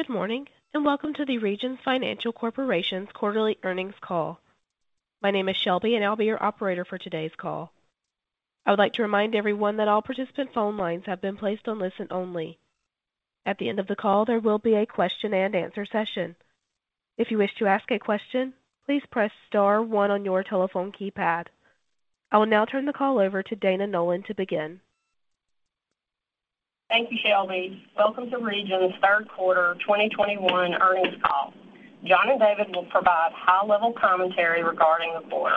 Good morning, and welcome to the Regions Financial Corporation's quarterly earnings call. My name is Shelby, and I'll be your operator for today's call. I would like to remind everyone that all participant phone lines have been placed on listen only. At the end of the call, there will be a question and answer session. If you wish to ask a question, please press star one on your telephone keypad. I will now turn the call over to Dana Nolan to begin. Thank you, Shelby. Welcome to Regions' third quarter 2021 earnings call. John and David will provide high-level commentary regarding the quarter.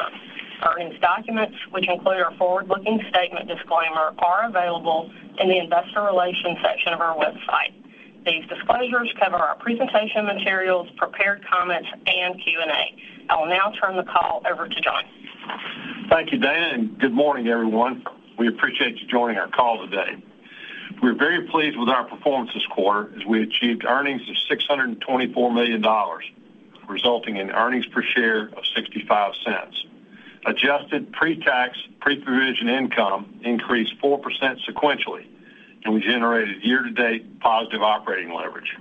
Earnings documents, which include our forward-looking statement disclaimer, are available in the investor relations section of our website. These disclosures cover our presentation materials, prepared comments, and Q&A. I will now turn the call over to John. Thank you, Dana, good morning, everyone. We appreciate you joining our call today. We are very pleased with our performance this quarter, as we achieved earnings of $624 million, resulting in earnings per share of $0.65. Adjusted pre-tax, pre-provision income increased 4% sequentially, and we generated year-to-date positive operating leverage.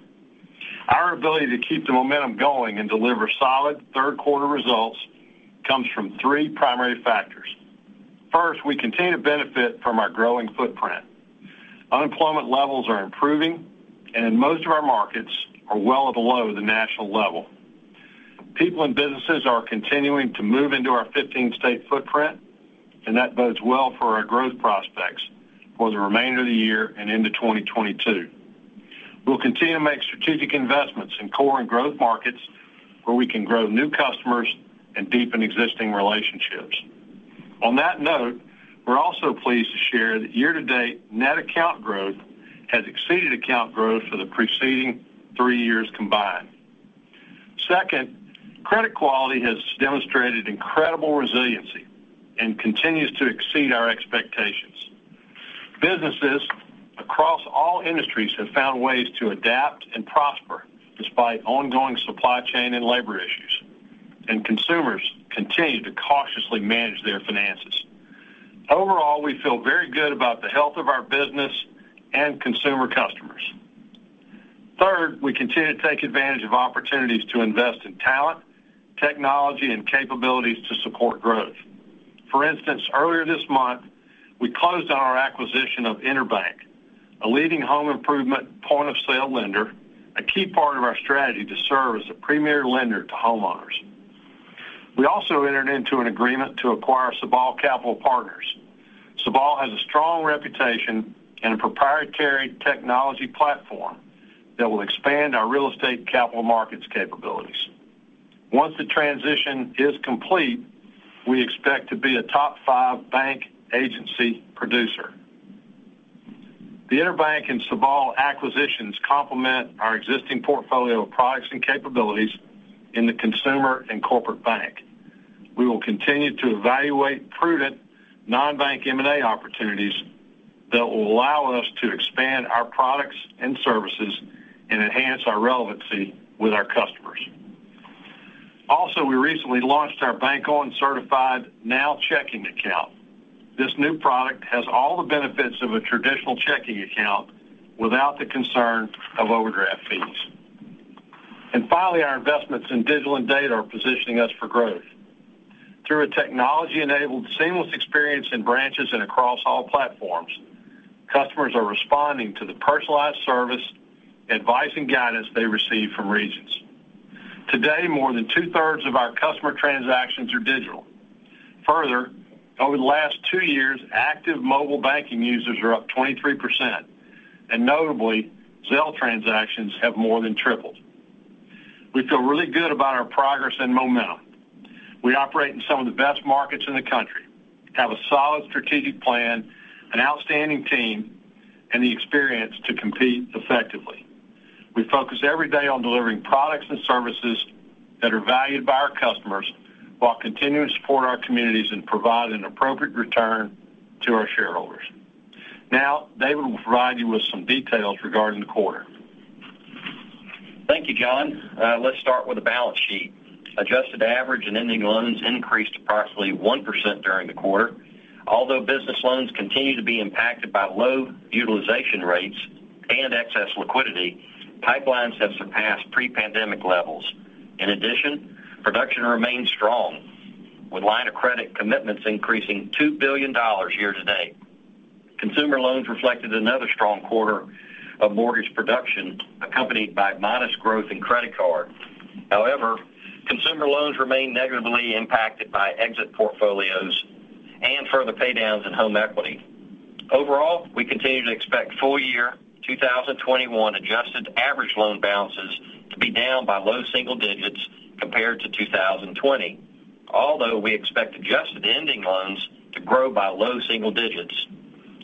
Our ability to keep the momentum going and deliver solid third-quarter results comes from three primary factors. First, we continue to benefit from our growing footprint. Unemployment levels are improving and in most of our markets are well below the national level. People and businesses are continuing to move into our 15-state footprint, and that bodes well for our growth prospects for the remainder of the year and into 2022. We'll continue to make strategic investments in core and growth markets where we can grow new customers and deepen existing relationships. On that note, we're also pleased to share that year-to-date net account growth has exceeded account growth for the preceding three years combined. Second, credit quality has demonstrated incredible resiliency and continues to exceed our expectations. Businesses across all industries have found ways to adapt and prosper despite ongoing supply chain and labor issues, and consumers continue to cautiously manage their finances. Overall, we feel very good about the health of our business and consumer customers. Third, we continue to take advantage of opportunities to invest in talent, technology, and capabilities to support growth. For instance, earlier this month, we closed on our acquisition of EnerBank, a leading home improvement point-of-sale lender, a key part of our strategy to serve as the premier lender to homeowners. We also entered into an agreement to acquire Sabal Capital Partners. Sabal has a strong reputation and a proprietary technology platform that will expand our real estate capital markets capabilities. Once the transition is complete, we expect to be a top five bank agency producer. The EnerBank and Sabal acquisitions complement our existing portfolio of products and capabilities in the consumer and corporate bank. We will continue to evaluate prudent non-bank M&A opportunities that will allow us to expand our products and services and enhance our relevancy with our customers. We recently launched our Bank On Certified Now Checking account. This new product has all the benefits of a traditional checking account without the concern of overdraft fees. Finally, our investments in digital and data are positioning us for growth. Through a technology-enabled seamless experience in branches and across all platforms, customers are responding to the personalized service, advice, and guidance they receive from Regions. Today, more than two-thirds of our customer transactions are digital. Over the last two years, active mobile banking users are up 23%, and notably, Zelle transactions have more than tripled. We feel really good about our progress and momentum. We operate in some of the best markets in the country, have a solid strategic plan, an outstanding team, and the experience to compete effectively. We focus every day on delivering products and services that are valued by our customers while continuing to support our communities and provide an appropriate return to our shareholders. David will provide you with some details regarding the quarter. Thank you, John. Let's start with the balance sheet. Adjusted average and ending loans increased approximately 1% during the quarter. Although business loans continue to be impacted by low utilization rates and excess liquidity, pipelines have surpassed pre-pandemic levels. In addition, production remains strong, with line of credit commitments increasing $2 billion year to date. Consumer loans reflected another strong quarter of mortgage production accompanied by modest growth in credit card. However, consumer loans remain negatively impacted by exit portfolios and further paydowns in home equity. Overall, we continue to expect full year 2021 adjusted average loan balances to be down by low single digits compared to 2020. Although we expect adjusted ending loans to grow by low single digits.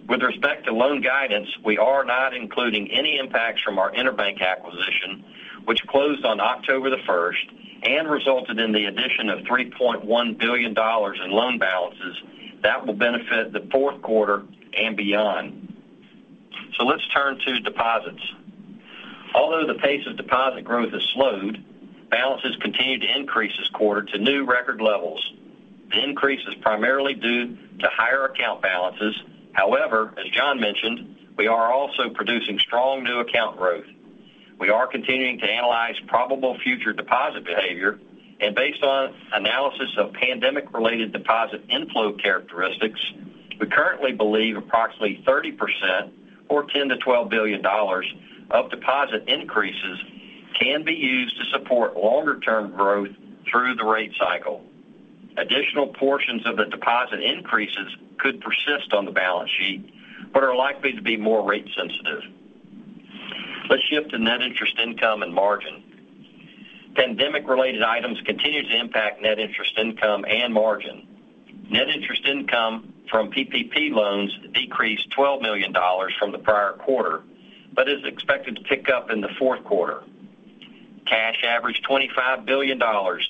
With respect to loan guidance, we are not including any impacts from our EnerBank acquisition, which closed on October the 1st and resulted in the addition of $3.1 billion in loan balances that will benefit the fourth quarter and beyond. Let's turn to deposits. Although the pace of deposit growth has slowed, balance sheets continued to increase this quarter to new record levels. The increase is primarily due to higher account balances. However, as John mentioned, we are also producing strong new account growth. We are continuing to analyze probable future deposit behavior and based on analysis of pandemic related deposit inflow characteristics, we currently believe approximately 30% or $10 billion-$12 billion of deposit increases can be used to support longer term growth through the rate cycle. Additional portions of the deposit increases could persist on the balance sheet, but are likely to be more rate sensitive. Let's shift to net interest income and margin. Pandemic related items continue to impact net interest income and margin. Net interest income from PPP loans decreased $12 million from the prior quarter. Is expected to pick up in the fourth quarter. Cash averaged $25 billion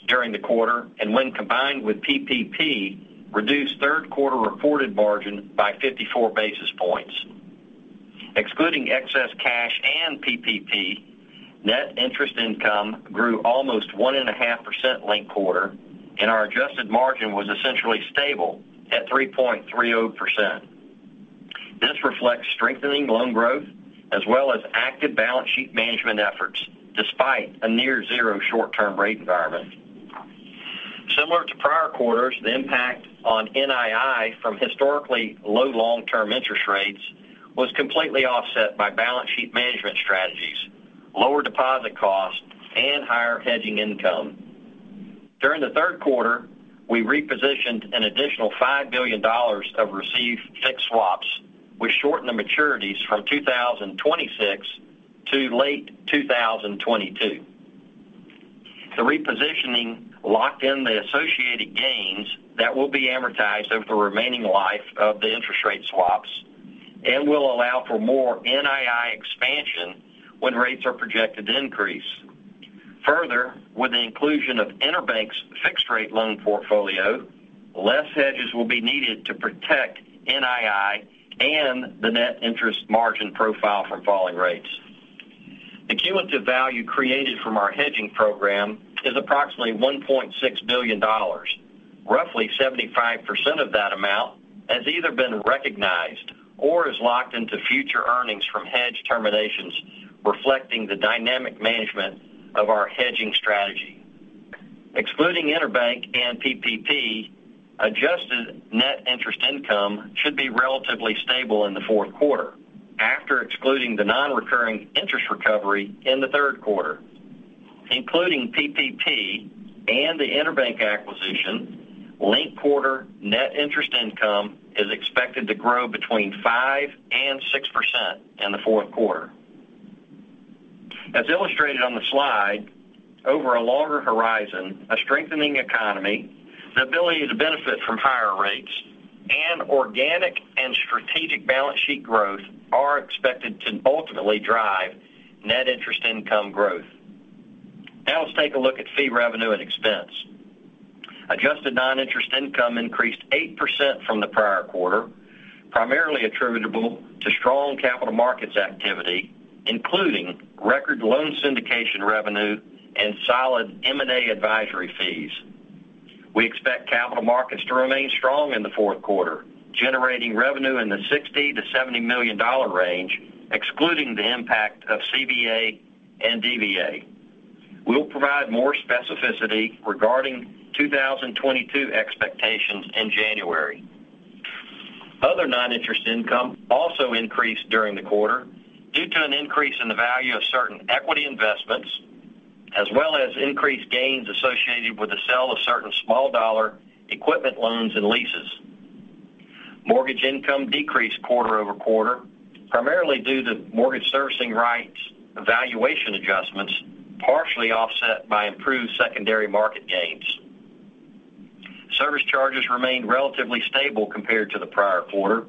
during the quarter and when combined with PPP reduced third quarter reported margin by 54 basis points. Excluding excess cash and PPP, net interest income grew almost 1.5% linked quarter and our adjusted margin was essentially stable at 3.30%. This reflects strengthening loan growth as well as active balance sheet management efforts despite a near zero short-term rate environment. Similar to prior quarters, the impact on NII from historically low long-term interest rates was completely offset by balance sheet management strategies, lower deposit costs and higher hedging income. During the third quarter, we repositioned an additional $5 billion of received-fixed swaps. We shortened the maturities from 2026 to late 2022. The repositioning locked in the associated gains that will be amortized over the remaining life of the interest rate swaps and will allow for more NII expansion when rates are projected to increase. With the inclusion of EnerBank's fixed rate loan portfolio, less hedges will be needed to protect NII and the net interest margin profile from falling rates. The cumulative value created from our hedging program is approximately $1.6 billion. Roughly 75% of that amount has either been recognized or is locked into future earnings from hedge terminations reflecting the dynamic management of our hedging strategy. Excluding EnerBank and PPP, adjusted net interest income should be relatively stable in the fourth quarter after excluding the non-recurring interest recovery in the third quarter. Including PPP and the EnerBank acquisition, linked quarter net interest income is expected to grow between 5% and 6% in the fourth quarter. As illustrated on the slide, over a longer horizon, a strengthening economy, the ability to benefit from higher rates and organic and strategic balance sheet growth are expected to ultimately drive net interest income growth. Let's take a look at fee revenue and expense. Adjusted non-interest income increased 8% from the prior quarter, primarily attributable to strong capital markets activity, including record loan syndication revenue and solid M&A advisory fees. We expect capital markets to remain strong in the fourth quarter, generating revenue in the $60 million-$70 million range, excluding the impact of CVA and DVA. We'll provide more specificity regarding 2022 expectations in January. Other non-interest income also increased during the quarter due to an increase in the value of certain equity investments, as well as increased gains associated with the sale of certain small dollar equipment loans and leases. Mortgage income decreased quarter-over-quarter, primarily due to mortgage servicing evaluation adjustments partially offset by improved secondary market gains. Service charges remained relatively stable compared to the prior quarter.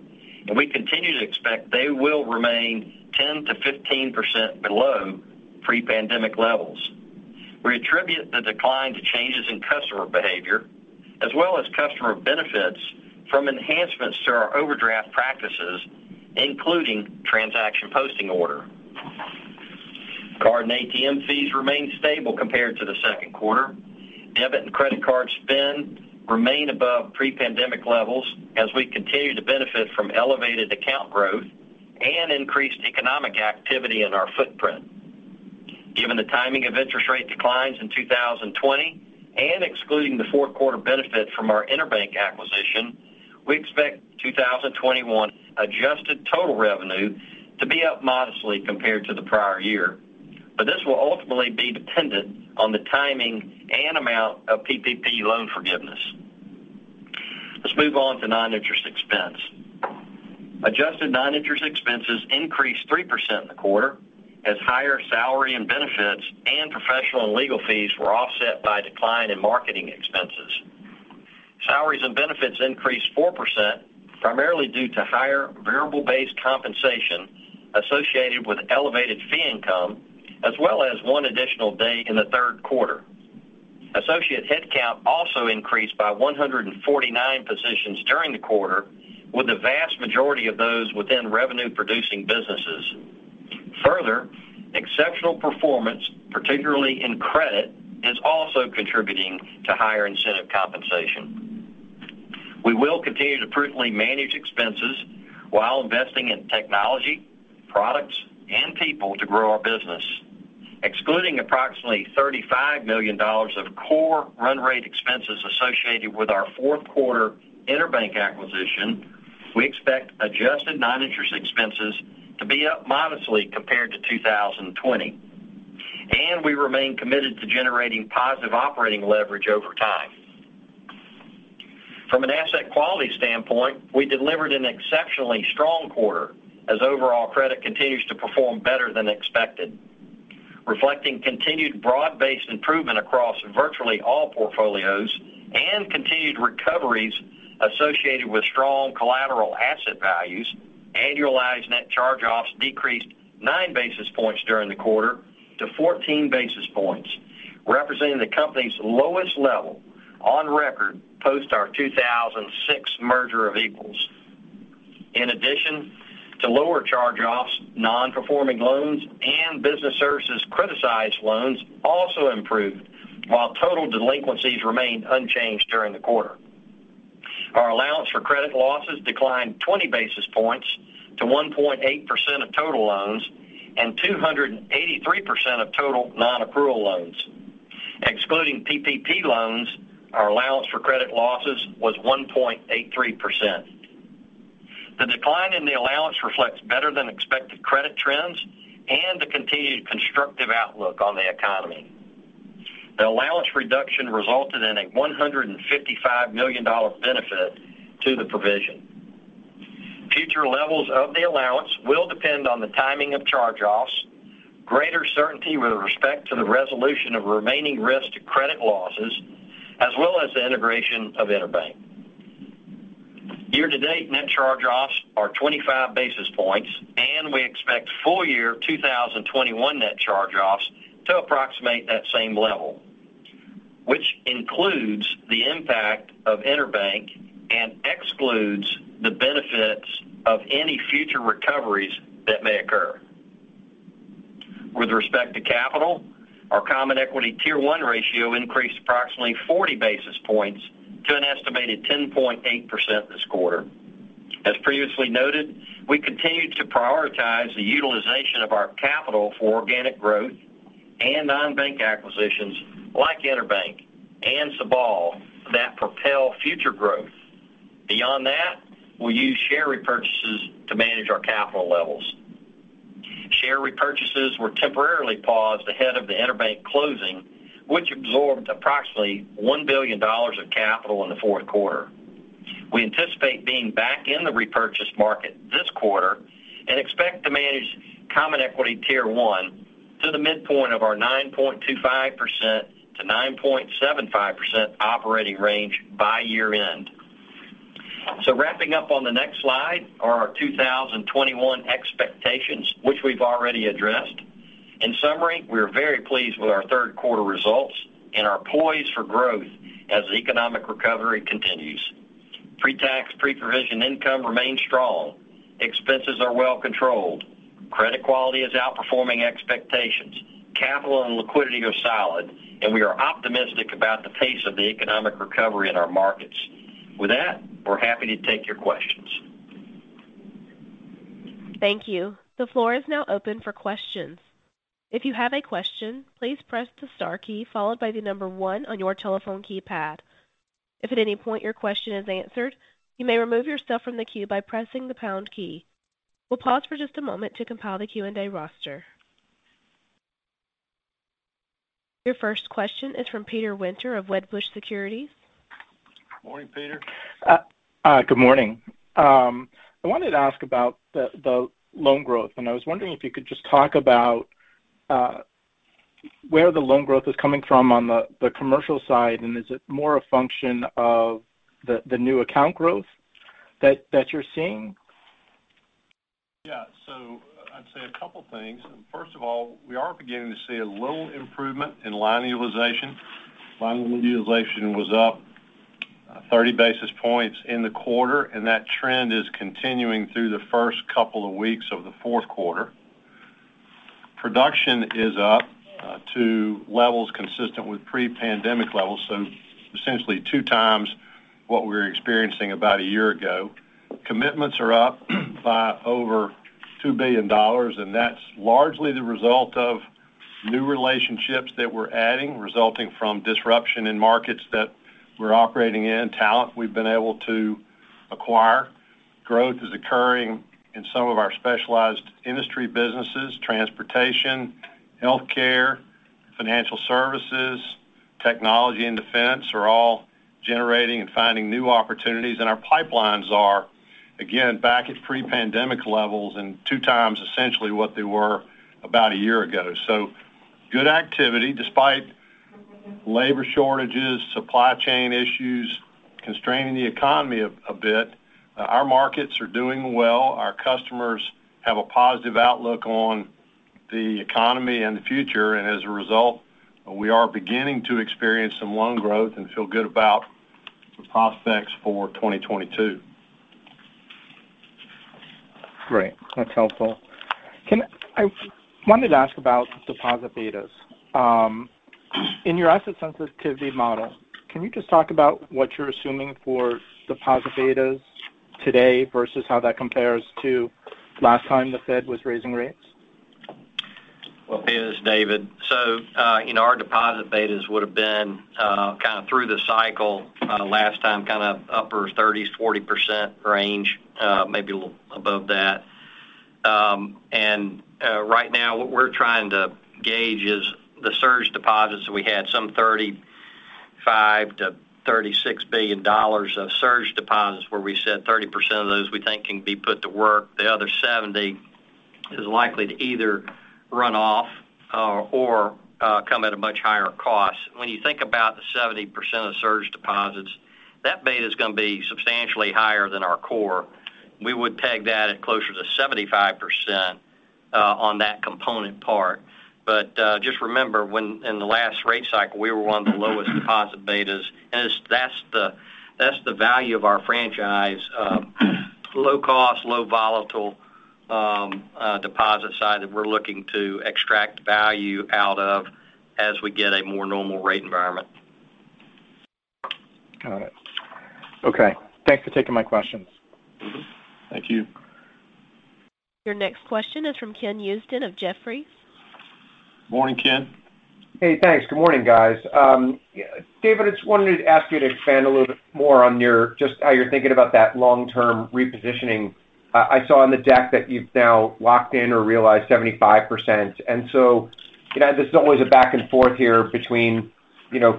We continue to expect they will remain 10%-15% below pre-pandemic levels. We attribute the decline to changes in customer behavior, as well as customer benefits from enhancements to our overdraft practices, including transaction posting order. Card and ATM fees remain stable compared to the second quarter. Debit and credit card spend remain above pre-pandemic levels as we continue to benefit from elevated account growth and increased economic activity in our footprint. Given the timing of interest rate declines in 2020 and excluding the fourth quarter benefit from our EnerBank acquisition, we expect 2021 adjusted total revenue to be up modestly compared to the prior year. This will ultimately be dependent on the timing and amount of PPP loan forgiveness. Let's move on to non-interest expense. Adjusted non-interest expenses increased 3% in the quarter as higher salary and benefits and professional and legal fees were offset by decline in marketing expenses. Salaries and benefits increased 4%, primarily due to higher variable based compensation associated with elevated fee income, as well as one additional day in the third quarter. Associate headcount also increased by 149 positions during the quarter, with the vast majority of those within revenue-producing businesses. Further, exceptional performance, particularly in credit, is also contributing to higher incentive compensation. We will continue to prudently manage expenses while investing in technology, products, and people to grow our business. Excluding approximately $35 million of core run rate expenses associated with our fourth quarter EnerBank acquisition, we expect adjusted non-interest expenses to be up modestly compared to 2020, and we remain committed to generating positive operating leverage over time. From an asset quality standpoint, we delivered an exceptionally strong quarter as overall credit continues to perform better than expected. Reflecting continued broad-based improvement across virtually all portfolios and continued recoveries associated with strong collateral asset values, annualized net charge-offs decreased 9 basis points during the quarter to 14 basis points, representing the company's lowest level on record post our 2006 merger of equals. In addition to lower charge-offs, non-performing loans and business services criticized loans also improved, while total delinquencies remained unchanged during the quarter. Our allowance for credit losses declined 20 basis points to 1.8% of total loans and 283% of total non-accrual loans. Excluding PPP loans, our allowance for credit losses was 1.83%. The decline in the allowance reflects better than expected credit trends and the continued constructive outlook on the economy. The allowance reduction resulted in a $155 million benefit to the provision. Future levels of the allowance will depend on the timing of charge-offs, greater certainty with respect to the resolution of remaining risk to credit losses, as well as the integration of EnerBank. Year-to-date net charge-offs are 25 basis points, and we expect full year 2021 net charge-offs to approximate that same level, which includes the impact of EnerBank and excludes the benefits of any future recoveries that may occur. With respect to capital, our Common Equity Tier 1 ratio increased approximately 40 basis points to an estimated 10.8% this quarter. As previously noted, we continue to prioritize the utilization of our capital for organic growth and non-bank acquisitions like EnerBank and Sabal that propel future growth. Beyond that, we'll use share repurchases to manage our capital levels. Share repurchases were temporarily paused ahead of the EnerBank closing, which absorbed approximately $1 billion of capital in the fourth quarter. We anticipate being back in the repurchase market this quarter and expect to manage Common Equity Tier 1 to the midpoint of our 9.25%-9.75% operating range by year-end. Wrapping up on the next slide are our 2021 expectations, which we've already addressed. In summary, we are very pleased with our third quarter results and are poised for growth as economic recovery continues. Pre-tax, pre-provision income remains strong. Expenses are well controlled. Credit quality is outperforming expectations. Capital and liquidity are solid, and we are optimistic about the pace of the economic recovery in our markets. With that, we are happy to take your questions. Thank you. The floor is now open for questions. If you have a question, please press the star key followed by the number one on your telephone keypad. If at any point your question is answered, you may remove yourself from the queue by pressing the pound key. We'll pause for just a moment to compile the Q&A roster. Your first question is from Peter Winter of Wedbush Securities. Morning, Peter. Good morning. I wanted to ask about the loan growth. I was wondering if you could just talk about where the loan growth is coming from on the commercial side. Is it more a function of the new account growth that you're seeing? Yeah. I'd say a couple things. First of all, we are beginning to see a little improvement in line utilization. Line utilization was up 30 basis points in the quarter, and that trend is continuing through the first couple of weeks of the fourth quarter. Production is up to levels consistent with pre-pandemic levels, so essentially 2x what we were experiencing about a year ago. Commitments are up by over $2 billion, and that's largely the result of new relationships that we're adding, resulting from disruption in markets that we're operating in, talent we've been able to acquire. Growth is occurring in some of our specialized industry businesses. Transportation, healthcare, financial services, technology, and defense are all generating and finding new opportunities. Our pipelines are, again, back at pre-pandemic levels and 2x essentially what they were about a year ago. Good activity despite labor shortages, supply chain issues constraining the economy a bit. Our markets are doing well. Our customers have a positive outlook on the economy and the future, and as a result, we are beginning to experience some loan growth and feel good about the prospects for 2022. Great. That's helpful. I wanted to ask about deposit betas. In your asset sensitivity model, can you just talk about what you're assuming for deposit betas today versus how that compares to last time the Fed was raising rates? Well, this is David. Our deposit betas would've been through the cycle last time, upper 30s, 40% range, maybe a little above that. Right now, what we're trying to gauge is the surge deposits that we had, some $35 billion-$36 billion of surge deposits, where we said 30% of those we think can be put to work. The other 70% is likely to either run off or come at a much higher cost. When you think about the 70% of surge deposits, that beta's going to be substantially higher than our core. We would peg that at closer to 75% on that component part. Just remember, in the last rate cycle, we were one of the lowest deposit betas. That's the value of our franchise, low cost, low volatile deposit side that we're looking to extract value out of as we get a more normal rate environment. Got it. Okay. Thanks for taking my questions. Thank you. Your next question is from Ken Usdin of Jefferies. Morning, Ken. Hey, thanks. Good morning, guys. David, I just wanted to ask you to expand a little bit more on just how you're thinking about that long-term repositioning. I saw on the deck that you've now locked in or realized 75%. There's always a back and forth here between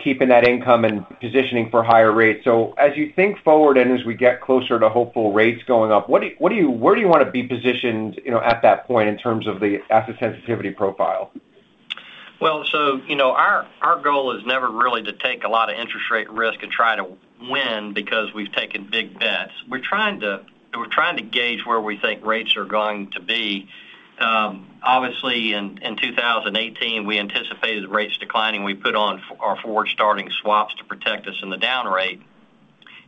keeping that income and positioning for higher rates. As you think forward and as we get closer to hopeful rates going up, where do you want to be positioned at that point in terms of the asset sensitivity profile? Our goal is never really to take a lot of interest rate risk and try to win because we've taken big bets. We're trying to gauge where we think rates are going to be. Obviously, in 2018, we anticipated rates declining. We put on our forward starting swaps to protect us in the down rate.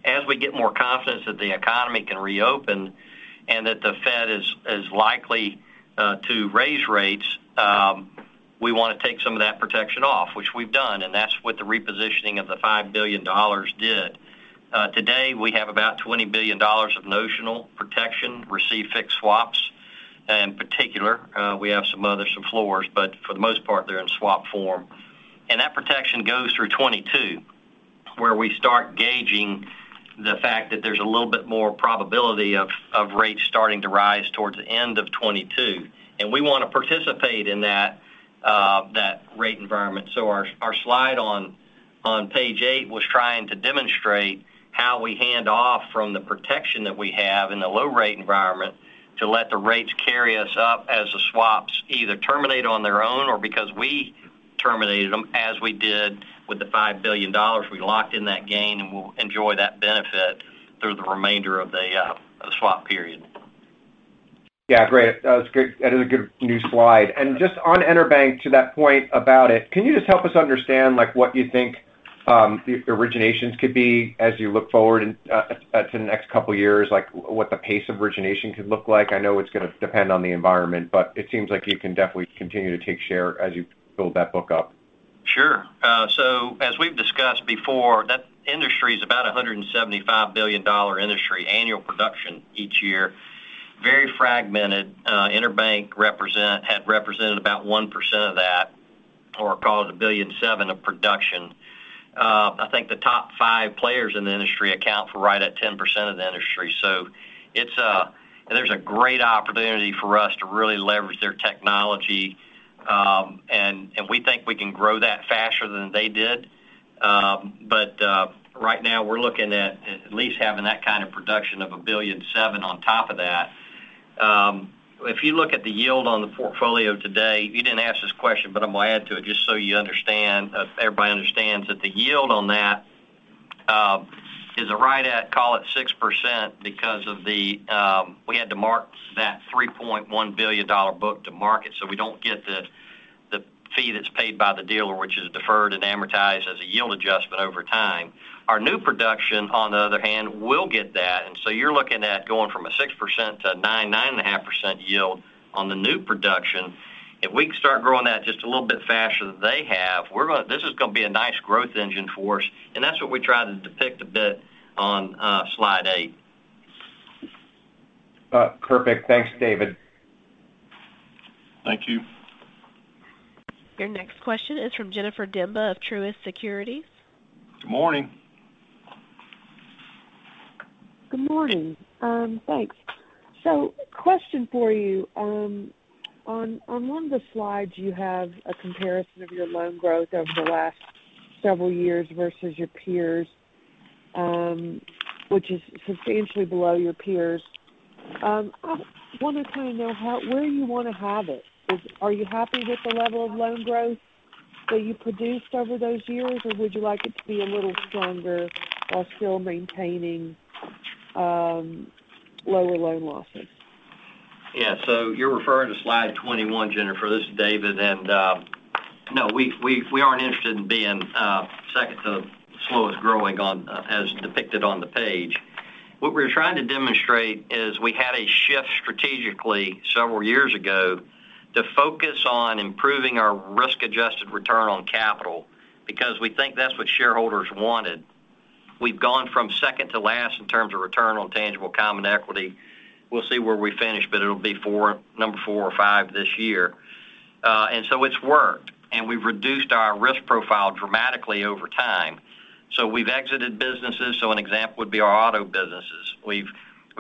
As we get more confidence that the economy can reopen and that the Fed is likely to raise rates, we want to take some of that protection off, which we've done, and that's what the repositioning of the $5 billion did. Today, we have about $20 billion of notional protection, receive fixed swaps. In particular, we have some others, some floors, but for the most part, they're in swap form. That protection goes through 2022, where we start gauging the fact that there's a little bit more probability of rates starting to rise towards the end of 2022. We want to participate in that rate environment. Our slide on page eight was trying to demonstrate how we hand off from the protection that we have in the low-rate environment to let the rates carry us up as the swaps either terminate on their own or because we terminated them, as we did with the $5 billion. We locked in that gain, and we'll enjoy that benefit through the remainder of the swap period. Yeah. Great. That is a good new slide. Just on EnerBank, to that point about it, can you just help us understand what you think the originations could be as you look forward to the next couple of years, like what the pace of origination could look like? I know it's going to depend on the environment, it seems like you can definitely continue to take share as you build that book up. Sure. As we've discussed before, that industry is about $175 billion industry, annual production each year. Very fragmented. EnerBank had represented about 1% of that, or call it $1.7 billion of production. I think the top five players in the industry account for right at 10% of the industry. There's a great opportunity for us to really leverage their technology, and we think we can grow that faster than they did. Right now, we're looking at least having that kind of production of $1.7 billion on top of that. If you look at the yield on the portfolio today, you didn't ask this question, but I'm going to add to it just so everybody understands that the yield on that is right at, call it 6%, because we had to mark that $3.1 billion book to market. We don't get the fee that's paid by the dealer, which is deferred and amortized as a yield adjustment over time. Our new production, on the other hand, will get that. You're looking at going from a 6% to a 9.5% yield on the new production. If we can start growing that just a little bit faster than they have, this is going to be a nice growth engine for us. That's what we try to depict a bit on slide eight. Perfect. Thanks, David. Thank you. Your next question is from Jennifer Demba of Truist Securities. Good morning. Good morning. Thanks. Question for you. On one of the slides, you have a comparison of your loan growth over the last several years versus your peers, which is substantially below your peers. I want to kind of know where you want to have it. Are you happy with the level of loan growth that you produced over those years, or would you like it to be a little stronger while still maintaining lower loan losses? You're referring to slide 21, Jennifer. This is David, no, we aren't interested in being second to slowest growing as depicted on the page. What we were trying to demonstrate is we had a shift strategically several years ago to focus on improving our risk-adjusted return on capital, because we think that's what shareholders wanted. We've gone from second to last in terms of return on tangible common equity. We'll see where we finish, it'll be number four or five this year. It's worked, we've reduced our risk profile dramatically over time. We've exited businesses. An example would be our auto businesses. We've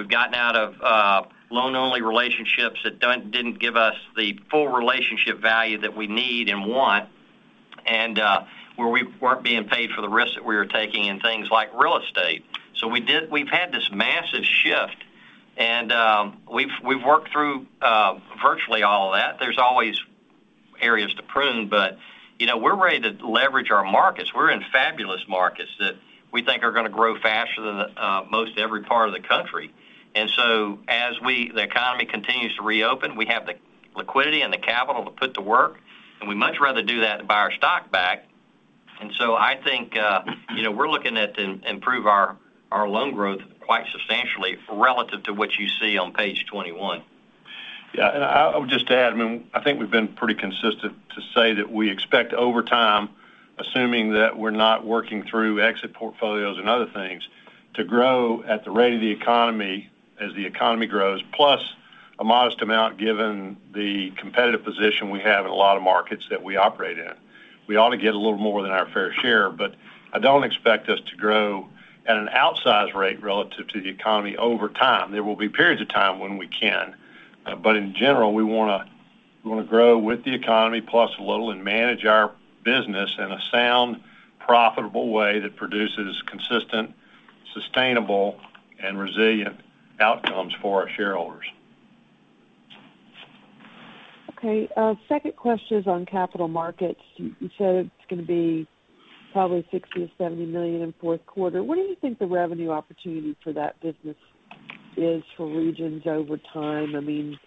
gotten out of loan-only relationships that didn't give us the full relationship value that we need and want, and where we weren't being paid for the risks that we were taking in things like real estate. We've had this massive shift, and we've worked through virtually all of that. There's always areas to prune, but we're ready to leverage our markets. We're in fabulous markets that we think are going to grow faster than most every part of the country. As the economy continues to reopen, we have the liquidity and the capital to put to work, and we'd much rather do that than buy our stock back. I think we're looking at improve our loan growth quite substantially relative to what you see on page 21. Yeah, I would just add, I think we've been pretty consistent to say that we expect over time, assuming that we're not working through exit portfolios and other things, to grow at the rate of the economy as the economy grows, plus a modest amount given the competitive position we have in a lot of markets that we operate in. We ought to get a little more than our fair share, but I don't expect us to grow at an outsize rate relative to the economy over time. There will be periods of time when we can. In general, we want to grow with the economy plus a little and manage our business in a sound, profitable way that produces consistent, sustainable, and resilient outcomes for our shareholders. Okay. Second question is on capital markets. You said it's going to be probably $60 million-$70 million in fourth quarter. What do you think the revenue opportunity for that business is for Regions over time?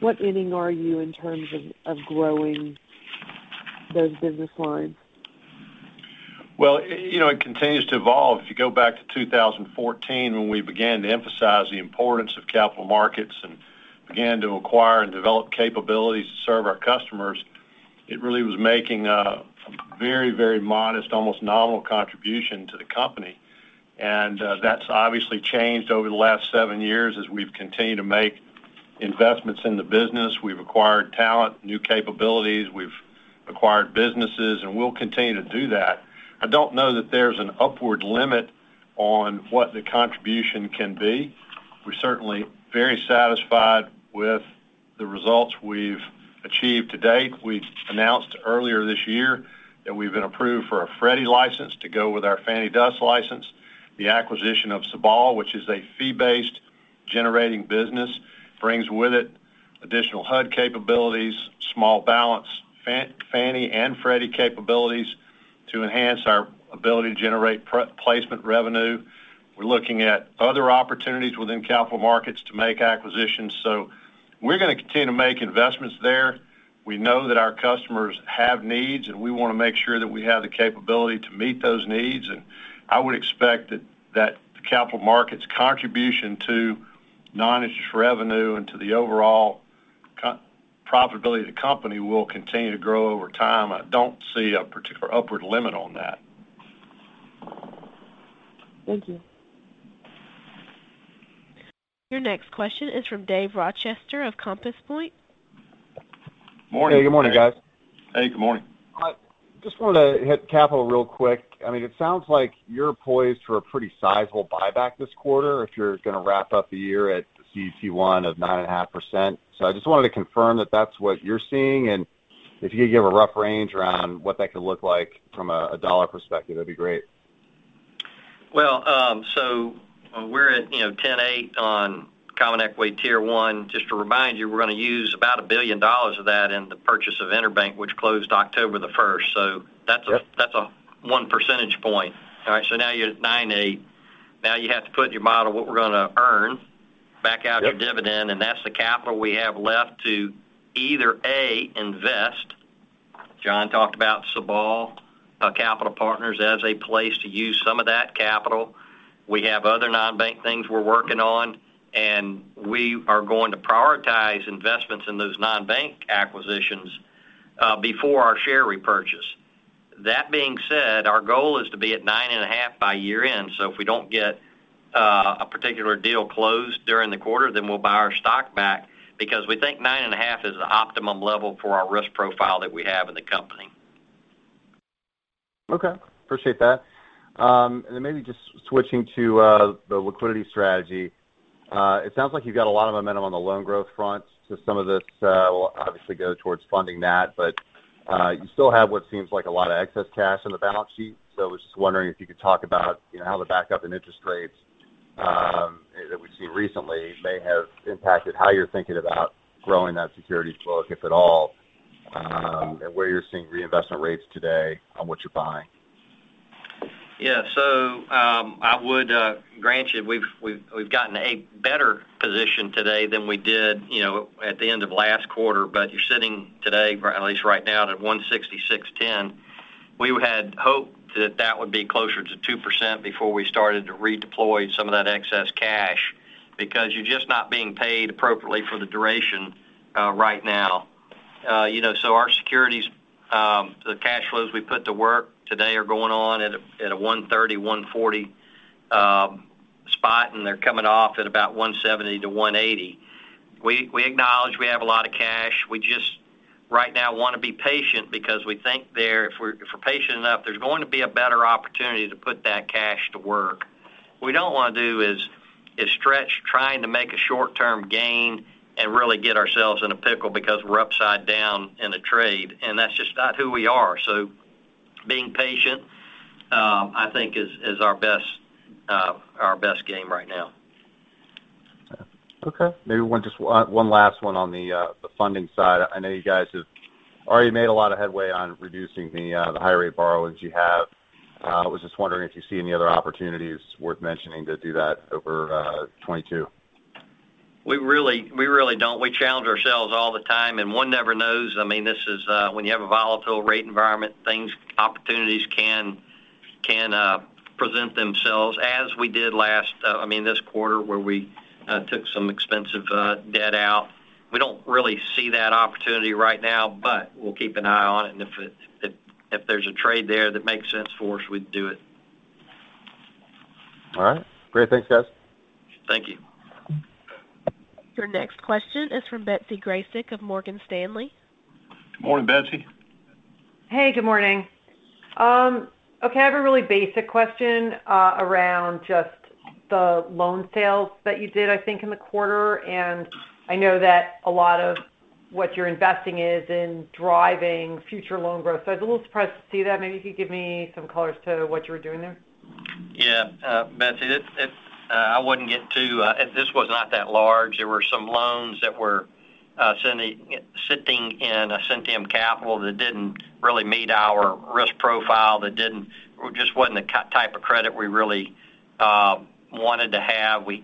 What inning are you in terms of growing those business lines? Well, it continues to evolve. If you go back to 2014 when we began to emphasize the importance of capital markets and began to acquire and develop capabilities to serve our customers, it really was making a very modest, almost nominal contribution to the company. That's obviously changed over the last seven years as we've continued to make investments in the business. We've acquired talent, new capabilities, we've acquired businesses, and we'll continue to do that. I don't know that there's an upward limit on what the contribution can be. We're certainly very satisfied with the results we've achieved to date. We announced earlier this year that we've been approved for a Freddie license to go with our Fannie DUS license. The acquisition of Sabal, which is a fee-based generating business, brings with it additional HUD capabilities, small balance, Fannie and Freddie capabilities to enhance our ability to generate placement revenue. We're looking at other opportunities within capital markets to make acquisitions. We're going to continue to make investments there. We know that our customers have needs, and we want to make sure that we have the capability to meet those needs. I would expect that the capital markets contribution to non-interest revenue and to the overall profitability of the company will continue to grow over time. I don't see a particular upward limit on that. Thank you. Your next question is from Dave Rochester of Compass Point. Morning. Hey. Good morning, guys. Hey, good morning. Just wanted to hit capital real quick. It sounds like you're poised for a pretty sizable buyback this quarter if you're going to wrap up the year at CET1 of 9.5%. I just wanted to confirm that that's what you're seeing, and if you could give a rough range around what that could look like from a dollar perspective, that'd be great. We're at 10.8% on Common Equity Tier 1. Just to remind you, we're going to use about $1 billion of that in the purchase of EnerBank, which closed October the 1st. That's a 1 percentage point. Now you're at 9.8%. Now you have to put in your model what we're going to earn back out your dividend, and that's the capital we have left to either, A, invest. John talked about Sabal Capital Partners as a place to use some of that capital. We have other non-bank things we're working on, and we are going to prioritize investments in those non-bank acquisitions before our share repurchase. That being said, our goal is to be at 9.5% by year-end. If we don't get a particular deal closed during the quarter, then we'll buy our stock back because we think 9.5% is the optimum level for our risk profile that we have in the company. Okay. Appreciate that. Maybe just switching to the liquidity strategy. It sounds like you've got a lot of momentum on the loan growth front. Some of this will obviously go towards funding that. You still have what seems like a lot of excess cash on the balance sheet. I was just wondering if you could talk about how the backup in interest rates that we've seen recently may have impacted how you're thinking about growing that securities book, if at all. Where you're seeing reinvestment rates today on what you're buying. Yeah. I would grant you, we've gotten a better position today than we did at the end of last quarter, but you're sitting today, at least right now, at 166, 10. We had hoped that that would be closer to 2% before we started to redeploy some of that excess cash, because you're just not being paid appropriately for the duration right now. Our securities, the cash flows we put to work today are going on at a 1.30% 1.40% spot, and they're coming off at about 1.70%-1.80%. We acknowledge we have a lot of cash. We just right now want to be patient because we think if we're patient enough, there's going to be a better opportunity to put that cash to work. What we don't want to do is stretch trying to make a short-term gain and really get ourselves in a pickle because we're upside down in a trade, and that's just not who we are. Being patient, I think is our best game right now. Okay. Maybe just one last one on the funding side. I know you guys have already made a lot of headway on reducing the higher rate borrowings you have. I was just wondering if you see any other opportunities worth mentioning to do that over 2022. We really don't. We challenge ourselves all the time, and one never knows. When you have a volatile rate environment, opportunities can present themselves as we did this quarter where we took some expensive debt out. We don't really see that opportunity right now, but we'll keep an eye on it, and if there's a trade there that makes sense for us, we'd do it. All right. Great. Thanks, guys. Thank you. Your next question is from Betsy Graseck of Morgan Stanley. Good morning, Betsy. Hey, good morning. Okay, I have a really basic question around just the loan sales that you did, I think, in the quarter, and I know that a lot of what you're investing is in driving future loan growth. I was a little surprised to see that. Maybe if you could give me some colors to what you were doing there. Yeah. Betsy, this was not that large. There were some loans that were sitting in Ascentium Capital that didn't really meet our risk profile, that just wasn't the type of credit we really wanted to have. We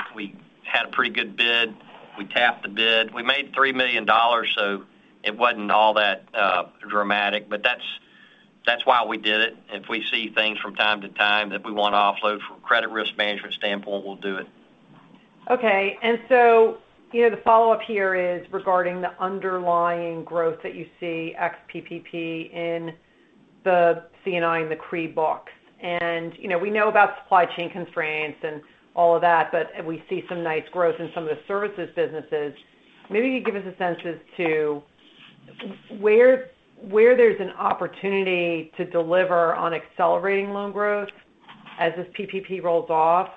had a pretty good bid. We tapped the bid. We made $3 million, so it wasn't all that dramatic. That's why we did it. If we see things from time to time that we want to offload from a credit risk management standpoint, we'll do it. Okay. The follow-up here is regarding the underlying growth that you see ex-PPP in the C&I and the CRE books. We know about supply chain constraints and all of that, we see some nice growth in some of the services businesses. Maybe you could give us a sense as to where there's an opportunity to deliver on accelerating loan growth as this PPP rolls off,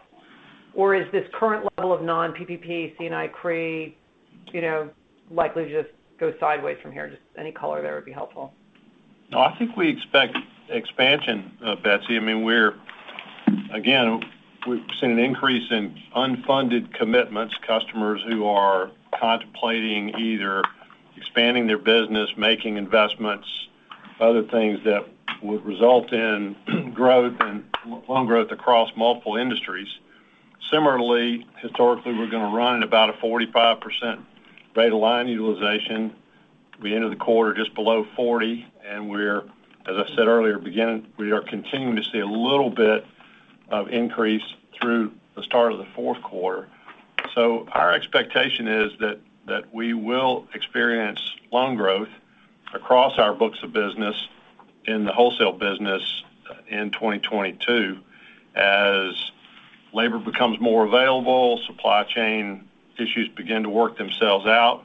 or is this current level of non-PPP in C&I, CRE likely to just go sideways from here? Just any color there would be helpful. No, I think we expect expansion, Betsy. Again, we've seen an increase in unfunded commitments, customers who are contemplating either expanding their business, making investments, other things that would result in growth and loan growth across multiple industries. Similarly, historically, we're going to run at about a 45% rate of line utilization. We ended the quarter just below 40%, and we are continuing to see a little bit of increase through the start of the fourth quarter. Our expectation is that we will experience loan growth across our books of business in the wholesale business in 2022 as labor becomes more available, supply chain issues begin to work themselves out,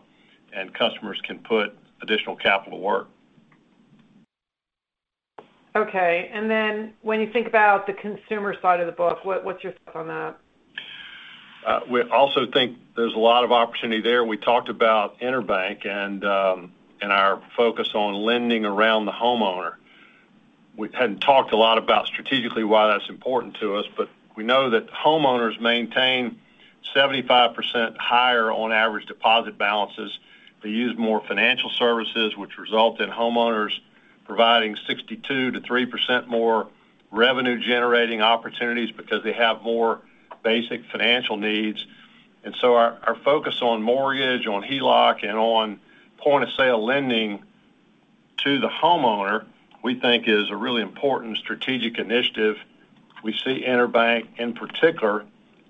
and customers can put additional capital to work. Okay. Then when you think about the consumer side of the book, what's your take on that? We also think there's a lot of opportunity there. We talked about EnerBank and our focus on lending around the homeowner. We hadn't talked a lot about strategically why that's important to us. We know that homeowners maintain 75% higher on average deposit balances. They use more financial services, which result in homeowners providing 62%-63% more revenue-generating opportunities because they have more basic financial needs. Our focus on mortgage, on HELOC, and on point-of-sale lending to the homeowner, we think is a really important strategic initiative. We see EnerBank in particular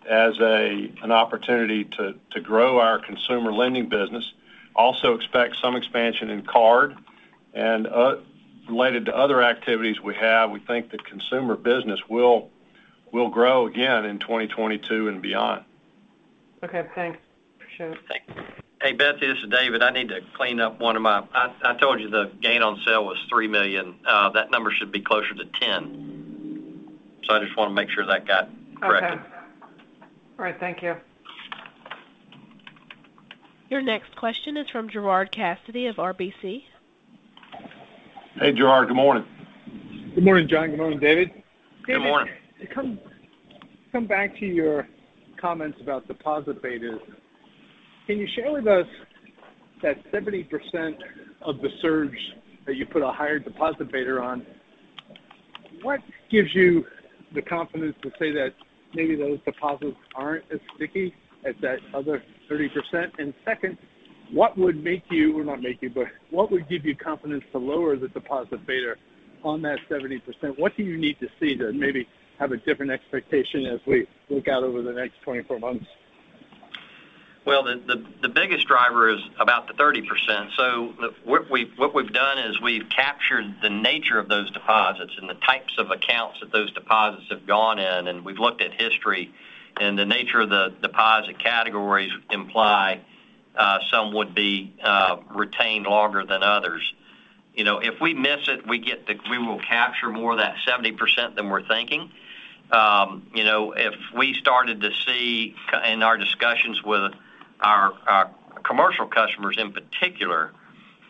as an opportunity to grow our consumer lending business. Also expect some expansion in card. Related to other activities we have, we think the consumer business will grow again in 2022 and beyond. Okay. Thanks. Appreciate it. Hey, Betsy, this is David. I told you the gain on sale was $3 million. That number should be closer to $10 million. I just want to make sure that got corrected. Okay. All right. Thank you. Your next question is from Gerard Cassidy of RBC. Hey, Gerard, good morning. Good morning, John. Good morning, David. Good morning. Come back to your comments about deposit betas. Can you share with us that 70% of the surge that you put a higher deposit beta on, what gives you the confidence to say that maybe those deposits aren't as sticky as that other 30%? Second, what would make you, well not make you, but what would give you confidence to lower the deposit beta on that 70%? What do you need to see to maybe have a different expectation as we look out over the next 24 months? The biggest driver is about the 30%. What we've done is we've captured the nature of those deposits and the types of accounts that those deposits have gone in, and we've looked at history. The nature of the deposit categories imply some would be retained longer than others. If we miss it, we will capture more of that 70% than we're thinking. If we started to see in our discussions with our commercial customers in particular,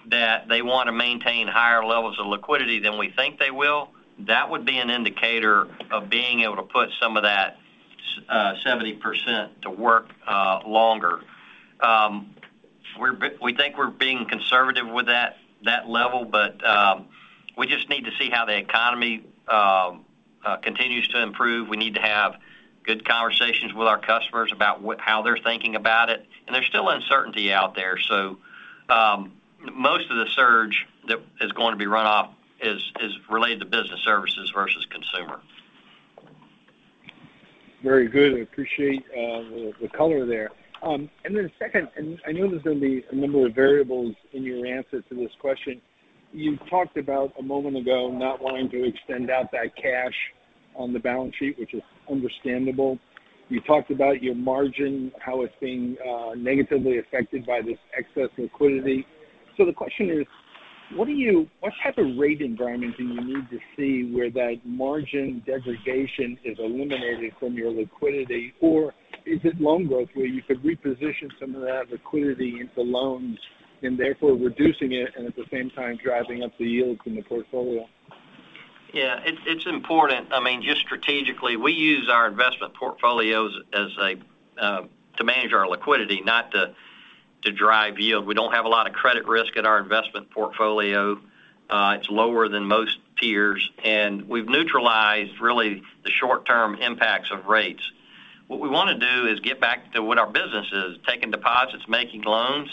that they want to maintain higher levels of liquidity than we think they will, that would be an indicator of being able to put some of that 70% to work longer. We think we're being conservative with that level, but we just need to see how the economy continues to improve. We need to have good conversations with our customers about how they're thinking about it, and there's still uncertainty out there. Most of the surge that is going to be run off is related to business services versus consumer. Very good. I appreciate the color there. Second, I know there's going to be a number of variables in your answer to this question. You talked about a moment ago not wanting to extend out that cash on the balance sheet, which is understandable. You talked about your margin, how it's being negatively affected by this excess liquidity. The question is, what type of rate environment do you need to see where that margin degradation is eliminated from your liquidity? Is it loan growth where you could reposition some of that liquidity into loans, and therefore reducing it and at the same time driving up the yields in the portfolio? Yeah, it's important. Just strategically, we use our investment portfolios to manage our liquidity, not to drive yield. We don't have a lot of credit risk at our investment portfolio. It's lower than most peers, and we've neutralized really the short-term impacts of rates. What we want to do is get back to what our business is, taking deposits, making loans,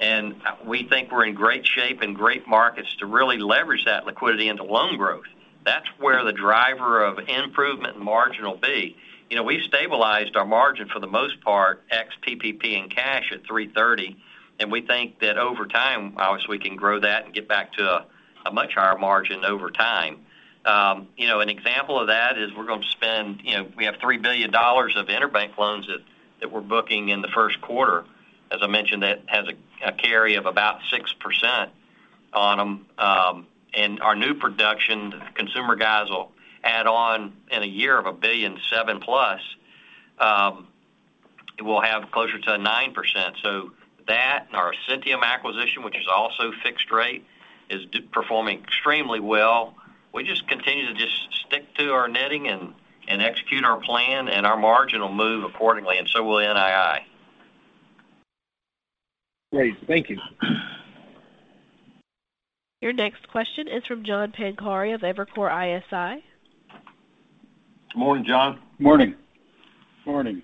and we think we're in great shape and great markets to really leverage that liquidity into loan growth. That's where the driver of improvement and margin will be. We've stabilized our margin for the most part, ex-PPP and cash at 3.30%, and we think that over time, obviously, we can grow that and get back to a much higher margin over time. An example of that is we have $3 billion of EnerBank loans that we're booking in the first quarter. As I mentioned, that has a carry of about 6% on them. Our new production consumer guys will add on in a year of $1.7+ billion, we'll have closer to 9%. That and our Ascentium acquisition, which is also fixed rate, is performing extremely well. We just continue to just stick to our knitting and execute our plan, and our margin will move accordingly, and so will NII. Great. Thank you. Your next question is from John Pancari of Evercore ISI. Morning, John. Morning. Morning.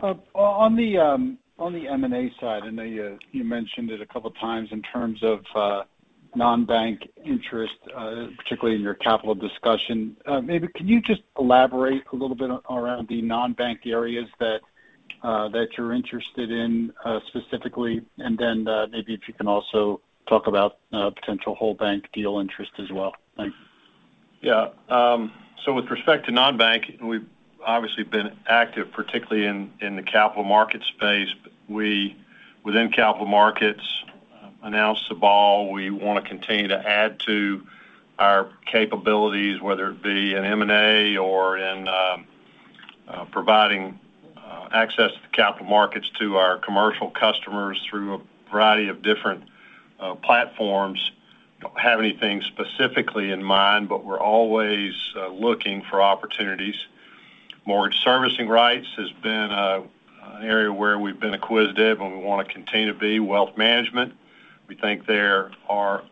On the M&A side, I know you mentioned it a couple of times in terms of non-bank interest, particularly in your capital discussion. Maybe could you just elaborate a little bit around the non-bank areas that you're interested in, specifically? Maybe if you can also talk about potential whole bank deal interest as well. Thanks. With respect to non-bank, we've obviously been active, particularly in the capital market space. Within capital markets, announced Sabal. We want to continue to add to our capabilities, whether it be in M&A or in providing access to the capital markets to our commercial customers through a variety of different platforms. Don't have anything specifically in mind, we're always looking for opportunities. Mortgage servicing rights has been an area where we've been acquisitive, and we want to continue to be wealth management. We think there are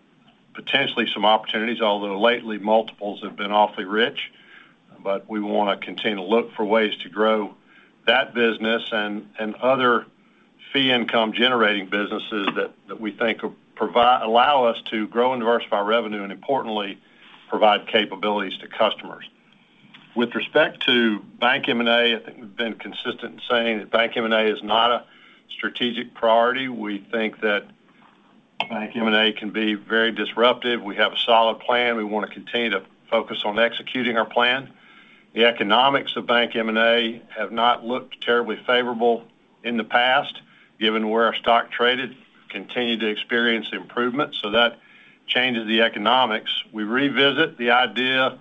potentially some opportunities, although lately multiples have been awfully rich, we want to continue to look for ways to grow that business and other fee income generating businesses that we think allow us to grow and diversify revenue, and importantly, provide capabilities to customers. With respect to bank M&A, I think we've been consistent in saying that bank M&A is not a strategic priority. We think that bank M&A can be very disruptive. We have a solid plan. We want to continue to focus on executing our plan. The economics of bank M&A have not looked terribly favorable in the past, given where our stock traded, continue to experience improvement. That changes the economics. We revisit the idea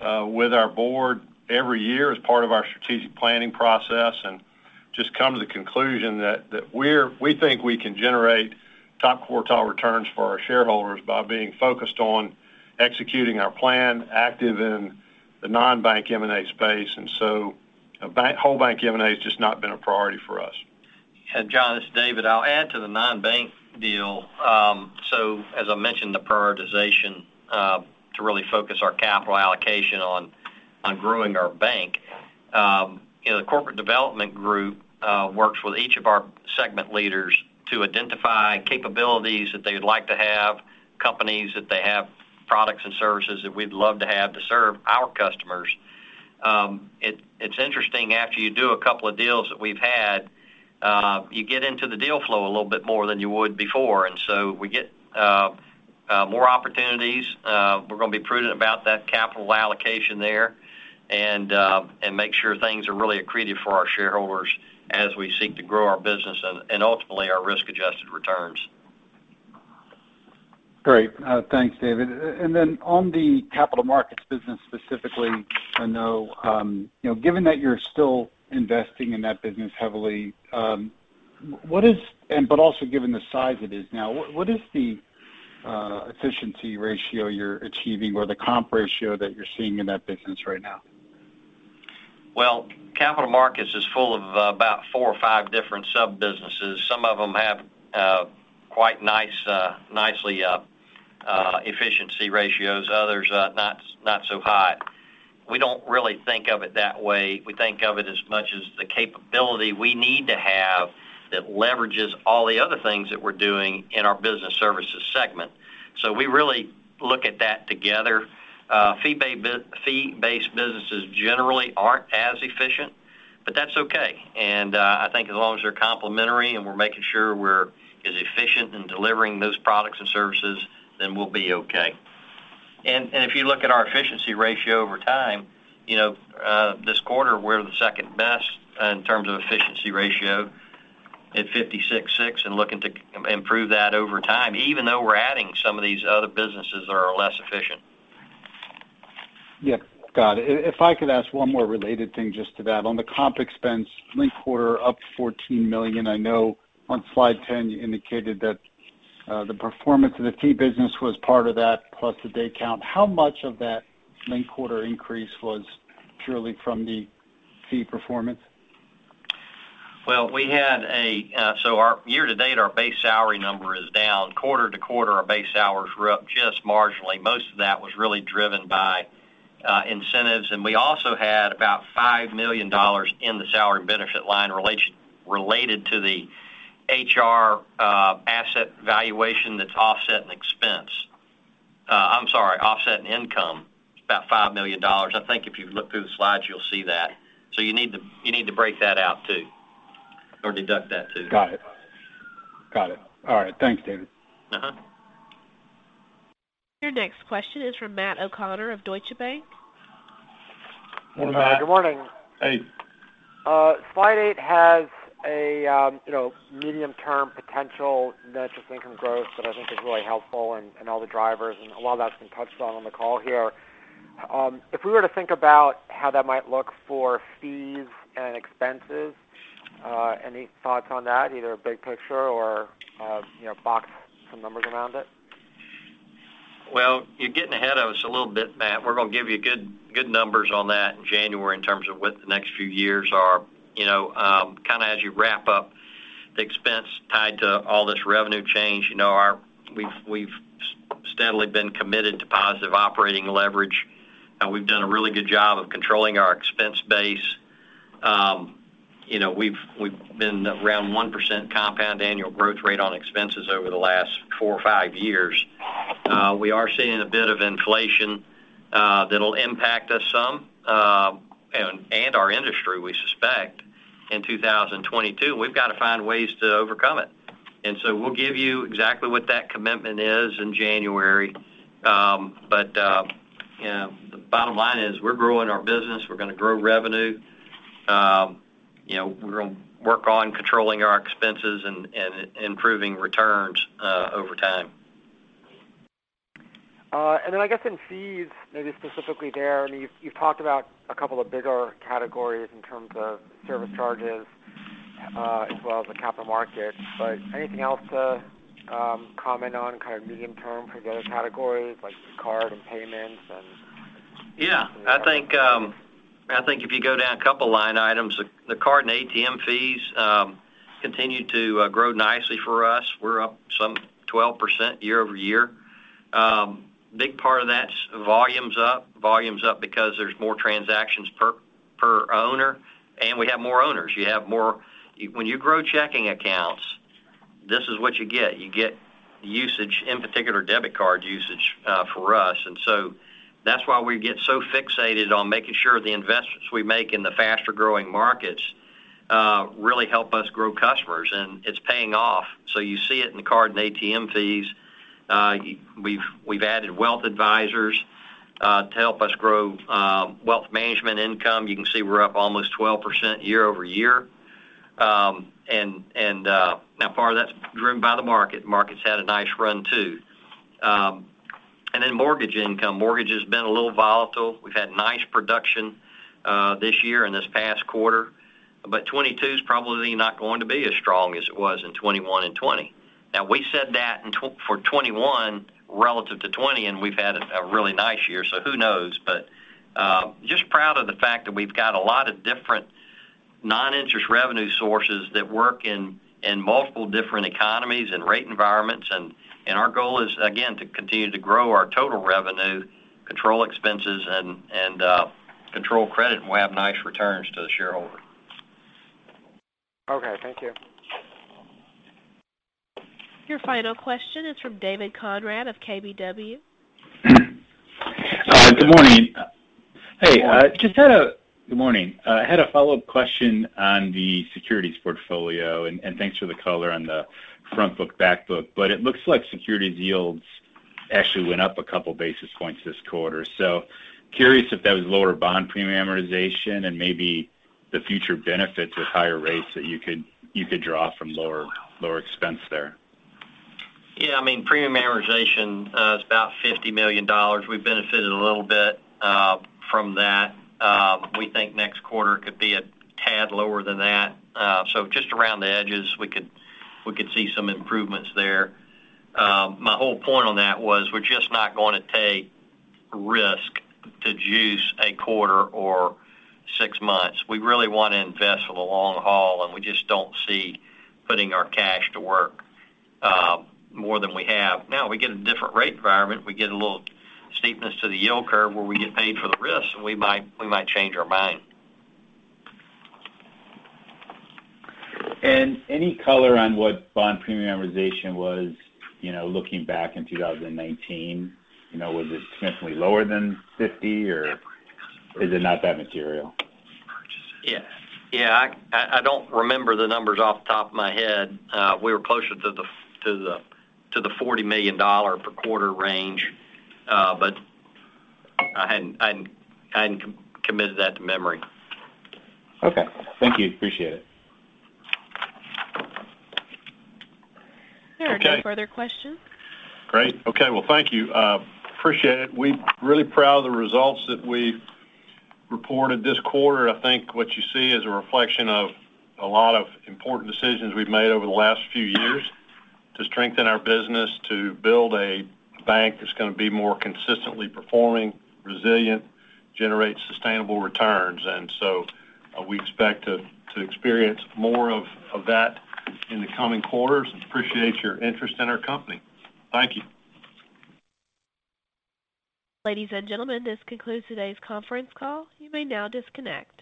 with our board every year as part of our strategic planning process. Just come to the conclusion that we think we can generate top quartile returns for our shareholders by being focused on executing our plan, active in the non-bank M&A space. Whole bank M&A has just not been a priority for us. John, this is David. I'll add to the non-bank deal. As I mentioned, the prioritization to really focus our capital allocation on growing our bank. The corporate development group works with each of our segment leaders to identify capabilities that they'd like to have, companies that they have products and services that we'd love to have to serve our customers. It's interesting, after you do a couple of deals that we've had, you get into the deal flow a little bit more than you would before. We get more opportunities. We're going to be prudent about that capital allocation there and make sure things are really accretive for our shareholders as we seek to grow our business and ultimately our risk-adjusted returns. Great. Thanks, David. On the capital markets business specifically, I know, given that you're still investing in that business heavily, but also given the size it is now, what is the efficiency ratio you're achieving or the comp ratio that you're seeing in that business right now? Capital markets is full of about four or five different sub-businesses. Some of them have quite nicely efficiency ratios, others not so hot. We don't really think of it that way. We think of it as much as the capability we need to have that leverages all the other things that we're doing in our business services segment. We really look at that together. Fee-based businesses generally aren't as efficient, but that's okay, and I think as long as they're complementary and we're making sure we're as efficient in delivering those products and services, then we'll be okay. If you look at our efficiency ratio over time, this quarter, we're the second best in terms of efficiency ratio at 56.6% and looking to improve that over time, even though we're adding some of these other businesses that are less efficient. Yeah. Got it. If I could ask one more related thing just to that. On the comp expense, linked quarter up $14 million. I know on slide 10, you indicated that the performance of the fee business was part of that, plus the day count. How much of that linked-quarter increase was purely from the fee performance? Our year to date, our base salary number is down. Quarter to quarter, our base salaries were up just marginally. Most of that was really driven by incentives. We also had about $5 million in the salary benefit line related to the HR asset valuation that's offset in expense. I'm sorry, offsetting income. It's about $5 million. I think if you look through the slides, you'll see that. You need to break that out, too or deduct that, too. Got it. All right. Thanks, David. Your next question is from Matt O'Connor of Deutsche Bank. Hey, Matt. Good morning. Hey. Slide eight has a medium-term potential net interest income growth that I think is really helpful and all the drivers. A lot of that's been touched on on the call here. If we were to think about how that might look for fees and expenses, any thoughts on that, either big picture or box some numbers around it? Well, you're getting ahead of us a little bit, Matt. We're going to give you good numbers on that in January in terms of what the next few years are. Kind of as you wrap up the expense tied to all this revenue change, we've steadily been committed to positive operating leverage. We've done a really good job of controlling our expense base. We've been around 1% compound annual growth rate on expenses over the last four or five years. We are seeing a bit of inflation that'll impact us some, and our industry, we suspect, in 2022. We've got to find ways to overcome it. We'll give you exactly what that commitment is in January. The bottom line is we're growing our business. We're going to grow revenue. We're going to work on controlling our expenses and improving returns over time. I guess in fees, maybe specifically there, you've talked about a couple of bigger categories in terms of service charges as well as the capital markets, but anything else to comment on kind of medium term for the other categories like card and payments? Yeah. I think if you go down a couple of line items, the card and ATM fees continue to grow nicely for us. We're up some 12% year-over-year. Big part of that's volume's up. Volume's up because there's more transactions per owner, and we have more owners. When you grow checking accounts, this is what you get. You get usage, in particular, debit card usage for us. That's why we get so fixated on making sure the investments we make in the faster-growing markets really help us grow customers, and it's paying off. You see it in card and ATM fees. We've added wealth advisors to help us grow wealth management income. You can see we're up almost 12% year-over-year. Now part of that's driven by the market. Market's had a nice run, too. Mortgage income. Mortgage has been a little volatile. We've had nice production this year in this past quarter, but 2022 is probably not going to be as strong as it was in 2021 and 2020. Now, we said that for 2021 relative to 2020, and we've had a really nice year, so who knows? Just proud of the fact that we've got a lot of different non-interest revenue sources that work in multiple different economies and rate environments, and our goal is, again, to continue to grow our total revenue, control expenses, and control credit, and we'll have nice returns to the shareholder. Okay, thank you. Your final question is from David Konrad of KBW. Good morning. Good morning. Good morning. I had a follow-up question on the securities portfolio, and thanks for the color on the front book, back book. It looks like securities yields actually went up a couple basis points this quarter. Curious if that was lower bond premium amortization and maybe the future benefits with higher rates that you could draw from lower expense there. Yeah, premium amortization is about $50 million. We benefited a little bit from that. We think next quarter could be a tad lower than that. Just around the edges, we could see some improvements there. My whole point on that was we're just not going to take risk to juice a quarter or six months. We really want to invest for the long haul, we just don't see putting our cash to work more than we have. Now, we get a different rate environment, we get a little steepness to the yield curve where we get paid for the risk, and we might change our mind. Any color on what bond premium amortization was looking back in 2019? Was it significantly lower than $50 million, or is it not that material? Yeah. I don't remember the numbers off the top of my head. We were closer to the $40 million per quarter range. I hadn't committed that to memory. Okay. Thank you. Appreciate it. There are no further questions. Great. Okay. Well, thank you. Appreciate it. We're really proud of the results that we've reported this quarter. I think what you see is a reflection of a lot of important decisions we've made over the last few years to strengthen our business, to build a bank that's going to be more consistently performing, resilient, generate sustainable returns. We expect to experience more of that in the coming quarters, and appreciate your interest in our company. Thank you. Ladies and gentlemen, this concludes today's conference call. You may now disconnect.